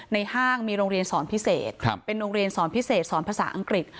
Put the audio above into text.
ห้างมีโรงเรียนสอนพิเศษเป็นโรงเรียนสอนพิเศษสอนภาษาอังกฤษ